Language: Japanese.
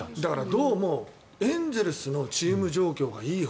どうもエンゼルスのチーム状況がいい。